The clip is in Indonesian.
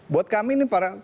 buat kami ini para